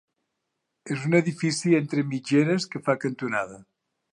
És un edifici entre mitgeres que fa cantonada.